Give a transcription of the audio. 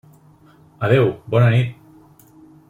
Adéu, bona nit!